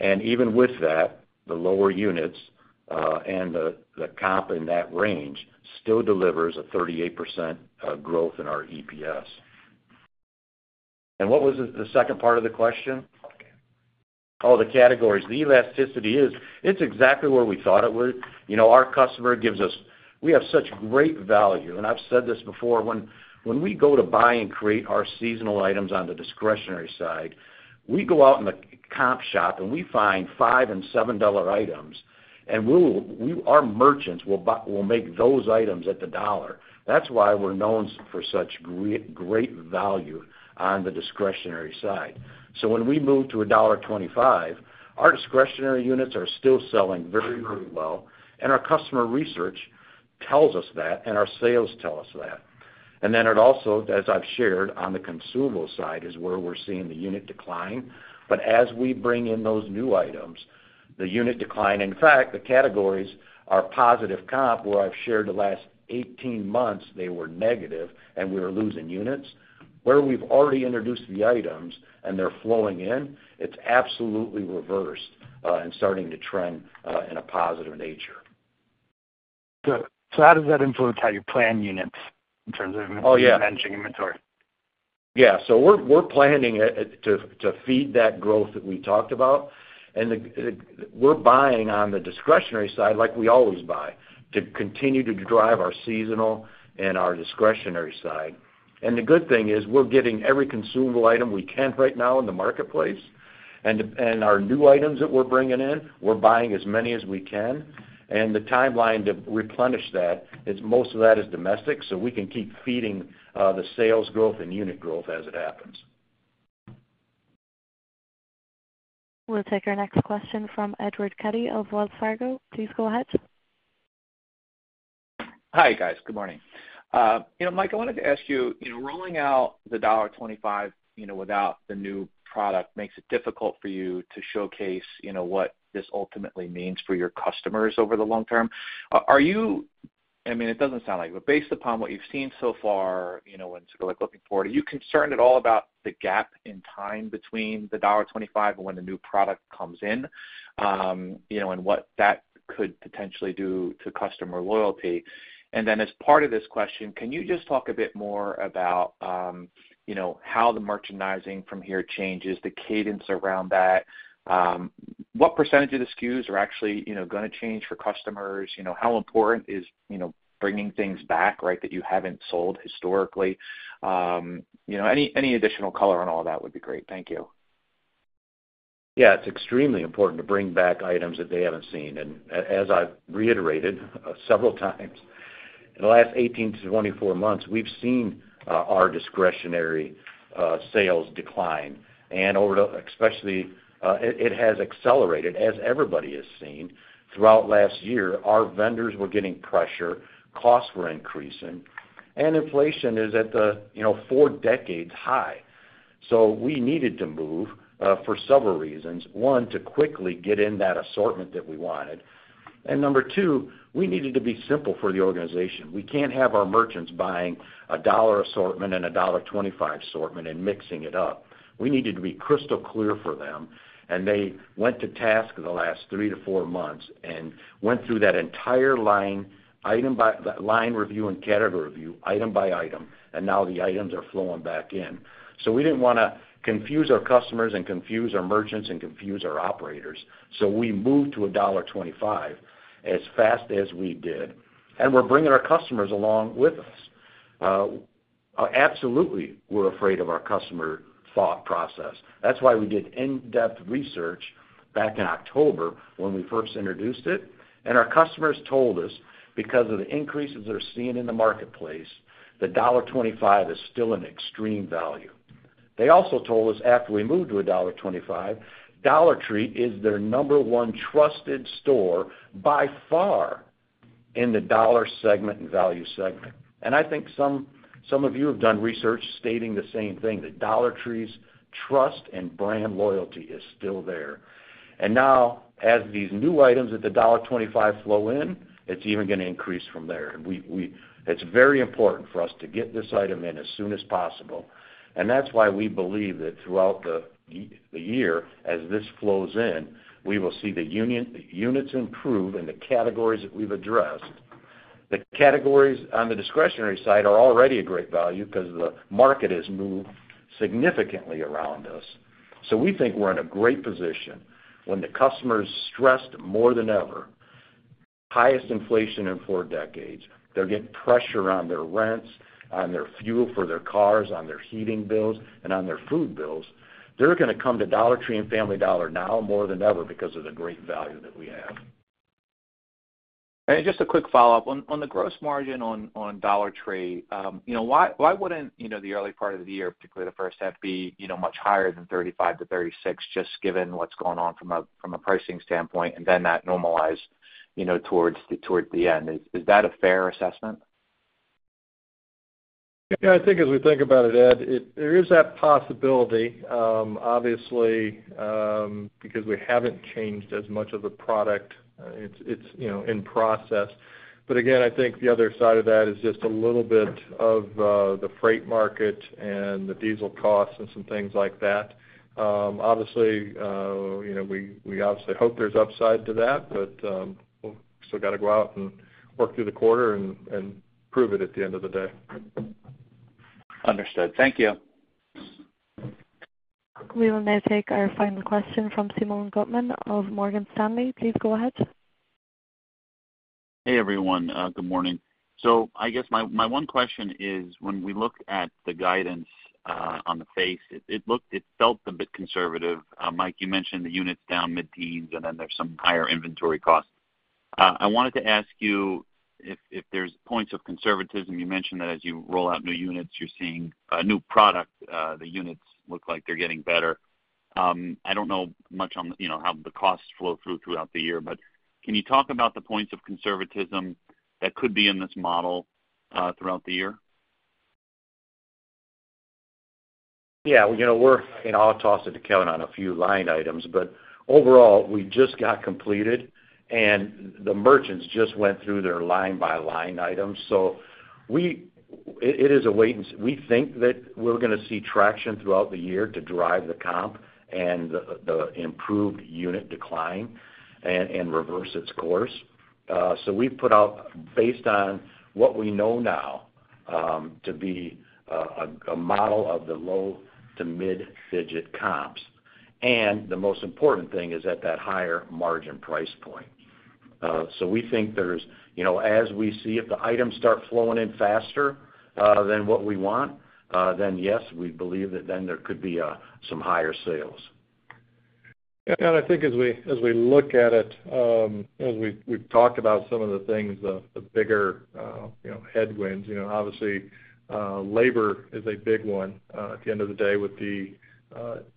Even with that, the lower units and the comp in that range still delivers a 38% growth in our EPS. What was the second part of the question? Okay. Oh, the categories. The elasticity is, it's exactly where we thought it would. You know, our customer gives us. We have such great value, and I've said this before. When we go to buy and create our seasonal items on the discretionary side, we go out in the comp shop, and we find $5 and $7 items. Our merchants will make those items at $1. That's why we're known for such great value on the discretionary side. When we move to $1.25, our discretionary units are still selling very, very well, and our customer research tells us that, and our sales tell us that. It also, as I've shared on the consumable side, is where we're seeing the unit decline. As we bring in those new items, the unit decline, in fact, the categories are positive comp, where I've shared the last 18 months, they were negative, and we were losing units. Where we've already introduced the items and they're flowing in, it's absolutely reversed, and starting to trend, in a positive nature. How does that influence how you plan units in terms of? Oh, yeah. Managing inventory? Yeah. We're planning it to feed that growth that we talked about. We're buying on the discretionary side like we always buy, to continue to drive our seasonal and our discretionary side. The good thing is we're getting every consumable item we can right now in the marketplace. Our new items that we're bringing in, we're buying as many as we can. The timeline to replenish that is most of that is domestic, so we can keep feeding the sales growth and unit growth as it happens. We'll take our next question from Edward Kelly of Wells Fargo. Please go ahead. Hi, guys. Good morning. You know, Mike, I wanted to ask you know, rolling out the $1.25, you know, without the new product makes it difficult for you to showcase, you know, what this ultimately means for your customers over the long term. Are you—I mean, it doesn't sound like it, but based upon what you've seen so far, you know, when sort of like looking forward, are you concerned at all about the gap in time between the $1.25 and when the new product comes in, you know, and what that could potentially do to customer loyalty? Then as part of this question, can you just talk a bit more about, you know, how the merchandising from here changes the cadence around that? What percentage of the SKUs are actually, you know, gonna change for customers? You know, how important is, you know, bringing things back, right, that you haven't sold historically? You know, any additional color on all that would be great. Thank you. Yeah. It's extremely important to bring back items that they haven't seen. As I've reiterated several times in the last 18-24 months, we've seen our discretionary sales decline and it has accelerated, as everybody has seen, throughout last year. Our vendors were getting pressure, costs were increasing, and inflation is at the, you know, four-decade high. We needed to move for several reasons. One, to quickly get in that assortment that we wanted. Number two, we needed to be simple for the organization. We can't have our merchants buying a $1 assortment and a $1.25 assortment and mixing it up. We needed to be crystal clear for them, and they went to task the last three to four months and went through that entire line item by line review and category review item by item, and now the items are flowing back in. So we didn't wanna confuse our customers and confuse our merchants and confuse our operators, so we moved to a $1.25 as fast as we did, and we're bringing our customers along with us. Absolutely, we're afraid of our customer thought process. That's why we did in-depth research back in October when we first introduced it. Our customers told us because of the increases they're seeing in the marketplace, that $1.25 is still an extreme value. They also told us after we moved to a $1.25, Dollar Tree is their number one trusted store by far in the dollar segment and value segment. I think some of you have done research stating the same thing, that Dollar Tree's trust and brand loyalty is still there. Now, as these new items at the $1.25 flow in, it's even gonna increase from there. It's very important for us to get this item in as soon as possible. That's why we believe that throughout the year, as this flows in, we will see the units improve and the categories that we've addressed. The categories on the discretionary side are already a great value because the market has moved significantly around us. We think we're in a great position when the customer is stressed more than ever, highest inflation in four decades. They're getting pressure on their rents, on their fuel for their cars, on their heating bills, and on their food bills. They're gonna come to Dollar Tree and Family Dollar now more than ever because of the great value that we have. Just a quick follow-up. On the gross margin on Dollar Tree, you know, why wouldn't, you know, the early part of the year, particularly the first half, be, you know, much higher than 35%-36%, just given what's going on from a pricing standpoint, and then that normalize, you know, towards the end? Is that a fair assessment? Yeah, I think as we think about it, Ed, there is that possibility, obviously, because we haven't changed as much of the product, it's you know in process. Again, I think the other side of that is just a little bit of the freight market and the diesel costs and some things like that. Obviously, you know, we obviously hope there's upside to that, but we've still got to go out and work through the quarter and prove it at the end of the day. Understood. Thank you. We will now take our final question from Simeon Gutman of Morgan Stanley. Please go ahead. Hey, everyone. Good morning. I guess my one question is when we look at the guidance, on the face, it looked, it felt a bit conservative. Mike, you mentioned the units down mid-teens, and then there's some higher inventory costs. I wanted to ask you if there's points of conservatism, you mentioned that as you roll out new units, you're seeing a new product, the units look like they're getting better. I don't know much on, you know, how the costs flow through throughout the year, but can you talk about the points of conservatism that could be in this model, throughout the year? Yeah. You know, we're and I'll toss it to Kevin on a few line items, but overall, we just completed and the merchants just went through their line-by-line items. It is a wait and see. We think that we're gonna see traction throughout the year to drive the comp and the improved unit decline and reverse its course. We put out based on what we know now to be a model of the low- to mid-digit comps. The most important thing is at that higher margin price point. We think there's you know as we see if the items start flowing in faster than what we want then yes we believe that then there could be some higher sales. Yeah. I think as we look at it, as we've talked about some of the things, the bigger you know, headwinds, you know, obviously, labor is a big one, at the end of the day with the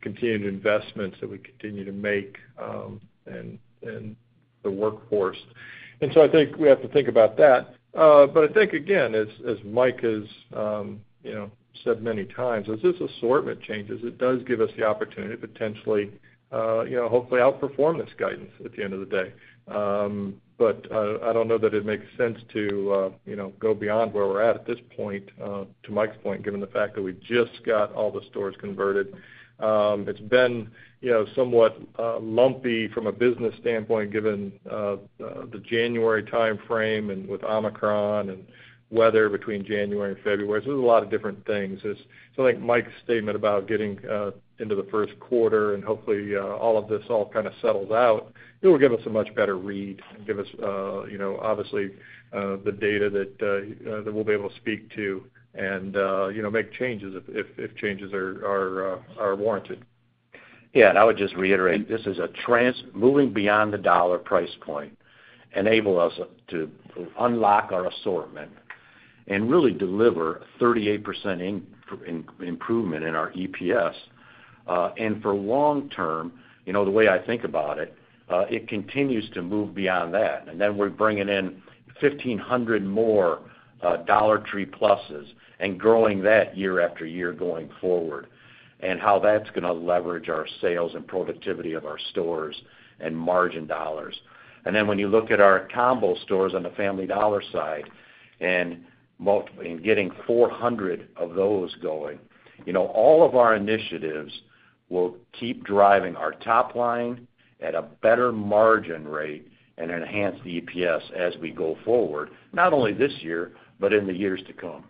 continued investments that we continue to make, in the workforce. I think we have to think about that. I think, again, as Mike has you know, said many times, as this assortment changes, it does give us the opportunity to potentially you know, hopefully outperform this guidance at the end of the day. I don't know that it makes sense to you know, go beyond where we're at at this point, to Mike's point, given the fact that we just got all the stores converted. It's been, you know, somewhat lumpy from a business standpoint, given the January time frame and with Omicron and weather between January and February. There's a lot of different things. I think Mike's statement about getting into the first quarter and hopefully all of this kind of settles out, it will give us a much better read and give us, you know, obviously the data that we'll be able to speak to and, you know, make changes if changes are warranted. Yeah. I would just reiterate, this transformation moving beyond the dollar price point enables us to unlock our assortment and really deliver 38% improvement in our EPS. For long term, you know, the way I think about it continues to move beyond that. Then we're bringing in 1,500 more Dollar Tree Pluses and growing that year after year going forward, and how that's gonna leverage our sales and productivity of our stores and margin dollars. Then when you look at our Combo Stores on the Family Dollar side and getting 400 of those going, you know, all of our initiatives will keep driving our top line at a better margin rate and enhance the EPS as we go forward, not only this year, but in the years to come.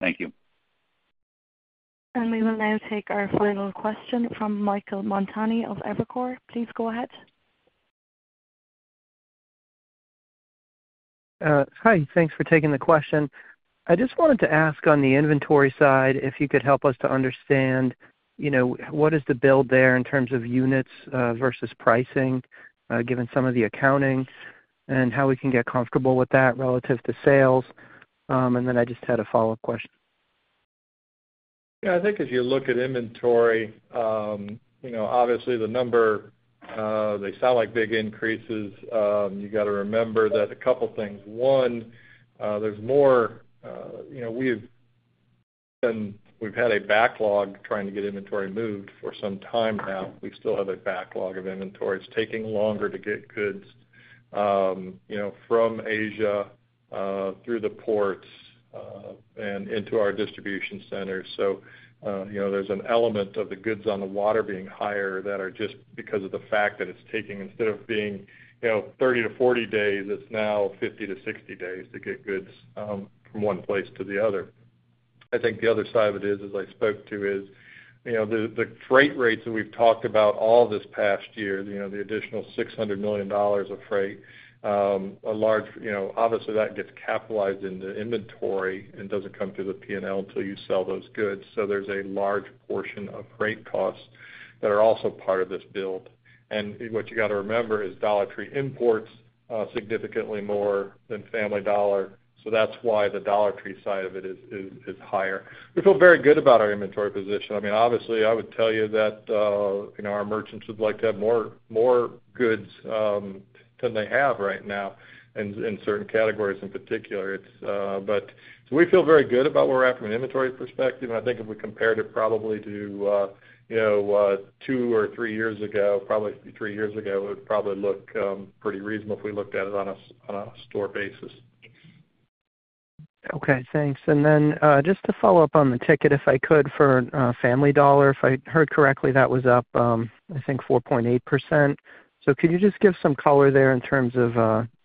Thank you. We will now take our final question from Michael Montani of Evercore. Please go ahead. Hi. Thanks for taking the question. I just wanted to ask on the inventory side if you could help us to understand, you know, what is the build there in terms of units, versus pricing, given some of the accounting, and how we can get comfortable with that relative to sales. I just had a follow-up question. Yeah. I think as you look at inventory, you know, obviously the number, they sound like big increases. You got to remember that a couple things. One, there's more, you know, we've had a backlog trying to get inventory moved for some time now. We still have a backlog of inventory. It's taking longer to get goods, you know, from Asia, through the ports, and into our distribution centers. So, you know, there's an element of the goods on the water being higher that are just because of the fact that it's taking instead of being, you know, 30-40 days, it's now 50-60 days to get goods, from one place to the other. I think the other side of it is, as I spoke to is, you know, the freight rates that we've talked about all this past year, you know, the additional $600 million of freight, you know, obviously that gets capitalized in the inventory and doesn't come through the P&L until you sell those goods. There's a large portion of freight costs that are also part of this build. What you got to remember is Dollar Tree imports significantly more than Family Dollar. That's why the Dollar Tree side of it is higher. We feel very good about our inventory position. I mean, obviously, I would tell you that, you know, our merchants would like to have more goods than they have right now in certain categories in particular. We feel very good about where we're at from an inventory perspective. I think if we compared it probably to you know two or three years ago, probably three years ago, it would probably look pretty reasonable if we looked at it on a store basis. Okay, thanks. Just to follow up on the ticket, if I could, for Family Dollar. If I heard correctly, that was up, I think 4.8%. Could you just give some color there in terms of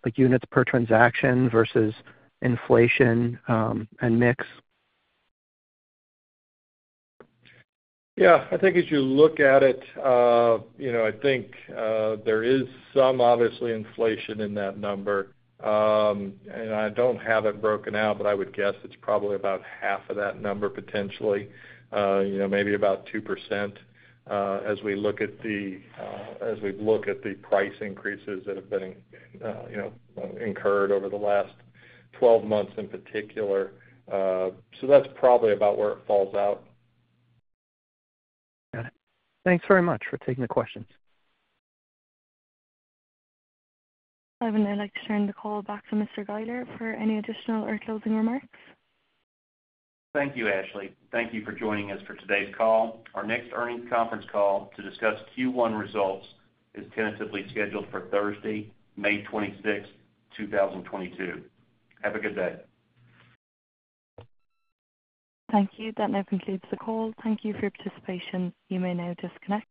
like units per transaction versus inflation, and mix? Yeah. I think as you look at it, you know, I think there is some obvious inflation in that number. I don't have it broken out, but I would guess it's probably about half of that number potentially, you know, maybe about 2%, as we look at the price increases that have been, you know, incurred over the last 12 months in particular. That's probably about where it falls out. Got it. Thanks very much for taking the questions. I would now like to turn the call back to Mr. Guiler for any additional or closing remarks. Thank you, Ashley. Thank you for joining us for today's call. Our next earnings conference call to discuss Q1 results is tentatively scheduled for Thursday, May 26th, 2022. Have a good day. Thank you. That now concludes the call. Thank you for your participation. You may now disconnect.